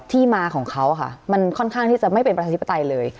ที่มาของเขาค่ะมันค่อนข้างที่จะไม่เป็นประชาธิปไตยเลย